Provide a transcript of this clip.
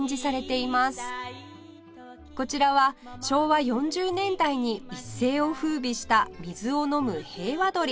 こちらは昭和４０年代に一世を風靡した水を飲む平和鳥